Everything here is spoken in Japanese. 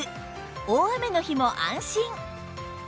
大雨の日も安心！